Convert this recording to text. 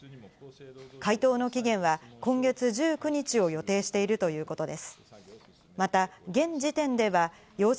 回答の期限は今月１９日を予定しているということです。